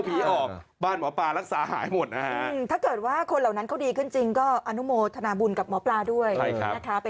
อยากจะกีฟเราก็จะเชื่อแต่เรื่องเหล่านี้